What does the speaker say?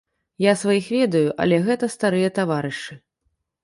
Я сваіх ведаю, але гэта старыя таварышы.